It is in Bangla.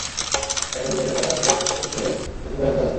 এক সুযোগে সে পতাকাটি উঠিয়ে উঁচু করে তুলে ধরে।